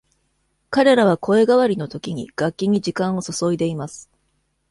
彼らは声変わりのときに、楽器に時間を注いでいます。